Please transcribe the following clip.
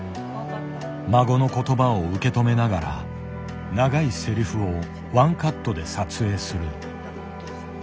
孫の言葉を受け止めながら長いせりふをワンカットで撮影する。